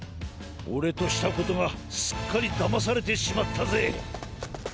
オレとしたことがすっかりだまされてしまったぜ。